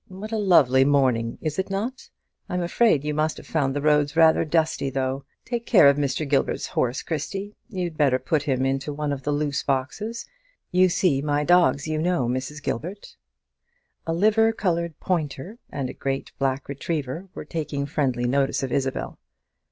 What a lovely morning, is it not? I'm afraid you must have found the roads rather dusty, though. Take care of Mr. Gilbert's horse, Christie; you'd better put him into one of the loose boxes. You see my dogs know you, Mrs. Gilbert." A liver coloured pointer and a great black retriever were taking friendly notice of Isabel.